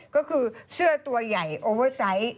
ก็คือเสื้อตัวใหญ่โอเวอร์ไซต์